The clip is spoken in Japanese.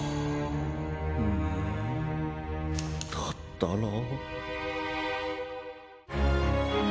んだったら。